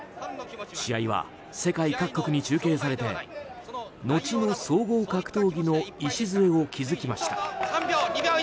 試合は世界各国に中継されて後の総合格闘技の礎を築きました。